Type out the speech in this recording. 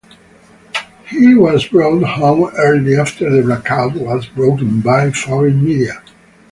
He was brought home early after the blackout was broken by foreign media.